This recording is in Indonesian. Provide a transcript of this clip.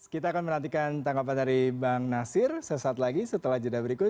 kita akan menantikan tanggapan dari bang nasir sesaat lagi setelah jeda berikut